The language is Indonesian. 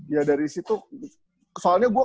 ya dari situ soalnya gue